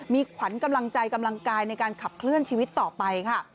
มีขวัญกำลังใจกำลังกายในการขับเคลื่อนชีวิตต่อไปค่ะ